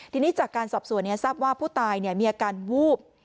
ทีนี้จากการสอบส่วนเนี้ยทรัพย์ว่าผู้ตายเนี้ยมีอาการวูบ